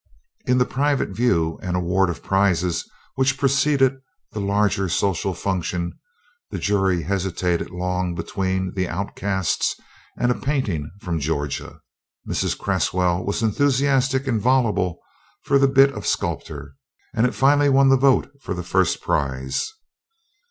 In the private view and award of prizes which preceded the larger social function the jury hesitated long between "The Outcasts" and a painting from Georgia. Mrs. Cresswell was enthusiastic and voluble for the bit of sculpture, and it finally won the vote for the first prize.